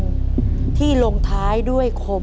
ผมคิดว่าสงสารแกครับ